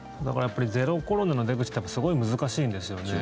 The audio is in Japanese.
ゼロコロナの出口ってすごい難しいんですよね。